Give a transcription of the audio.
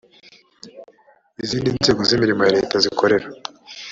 izindi nzego z imirimo ya leta zikorera